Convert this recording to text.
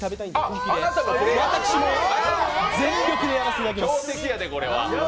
私も全力でやらせていただきます。